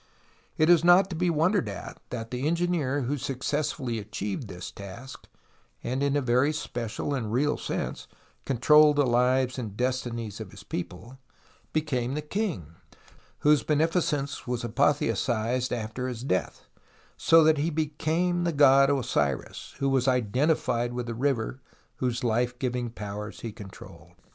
It is not to be wondered at that the engineer who successfully achieved this task, and in a very special and real sense controlled the lives and destinies of his people, became the king, whose beneficence was apotheosized after his death, so that he became the god Osiris, who was identified with the river, whose life giving powers he controlled.